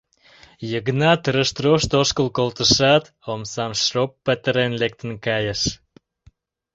— Йыгнат рышт-рошт ошкыл колтышат, омсам шроп петырен, лектын кайыш.